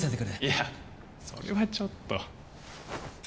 いやそれはちょっと。